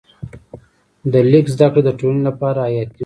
د لیک زده کړه د ټولنې لپاره حیاتي وه.